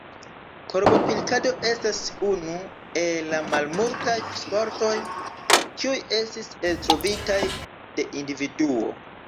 Korbopilkado estas unu el la malmultaj sportoj, kiuj estis eltrovitaj de individuo.